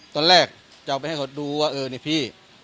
ตอนแรกจะเอาไปให้เขาดูว่าเออนี่พี่